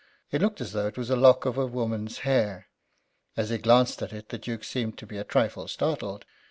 It looked as though it was a lock of a woman's hair. As he glanced at it the Duke seemed to be a trifle startled.